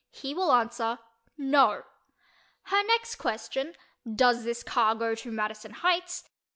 He will answer "No." Her next question—"Does this car go to Madison Heights?"